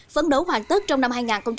phấn đấu hoàn tất trong năm hai nghìn hai mươi